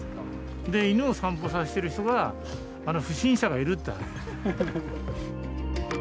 で犬を散歩させている人が不審者がいるって。